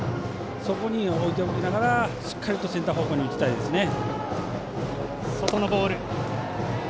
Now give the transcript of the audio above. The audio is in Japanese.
そこに置いておきながらしっかりとセンター方向に打ちたいですね。